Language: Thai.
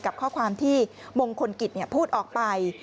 กับข้อความที่มงคลกิจพูดออกไป